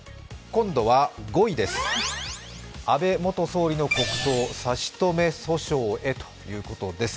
今度は５位です、安倍元総理の国葬、差し止め訴訟へということです。